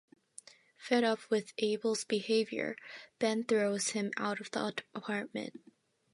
Fed up with Abel's behavior, Ben throws him out of the apartment.